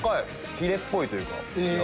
フィレっぽいというか。